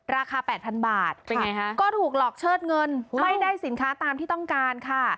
ราคา๘๐๐๐บาทก็ถูกหลอกเชิดเงินไม่ได้สินค้าตามที่ต้องการค่ะ